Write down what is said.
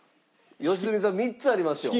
良純さん３つありますよ。